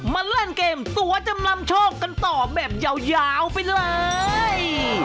มาเล่นเกมตัวจำนำโชคกันต่อแบบยาวไปเลย